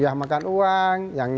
ini udah pernah berusaha tidak untuk